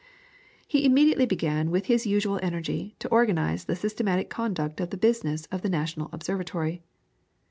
He immediately began with his usual energy to organise the systematic conduct of the business of the National Observatory.